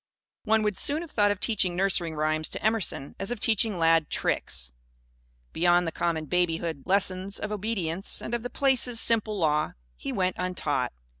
One would as soon have thought of teaching nursery rhymes to Emerson as of teaching Lad "tricks." Beyond the common babyhood lessons of obedience and of the Place's simple Law, he went untaught.